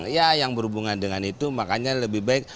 ya yang berhubungan dengan itu makanya lebih baik